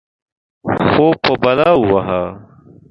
خوب په بلا ووهه.